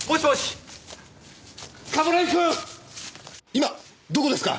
今どこですか？